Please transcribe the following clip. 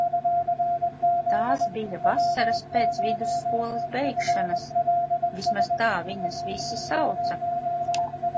Tās bija vasaras pēc vidusskolas beigšanas. Vismaz tā viņas visi sauca.